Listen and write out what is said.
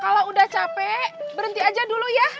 kalau udah capek berhenti aja dulu ya